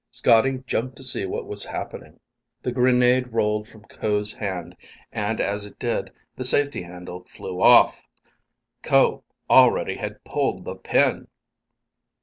Scotty jumped to see what was happening. The grenade rolled from Ko's hand, and as it did, the safety handle flew off! Ko already had pulled the pin!